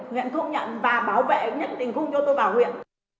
huyện không nhận và bảo vệ nhất định khung cho tôi vào huyện